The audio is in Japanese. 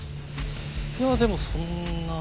いやでもそんな。